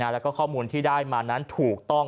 แล้วก็ข้อมูลที่ได้มานั้นถูกต้อง